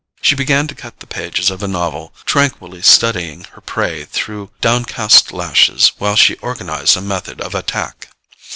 She began to cut the pages of a novel, tranquilly studying her prey through downcast lashes while she organized a method of attack.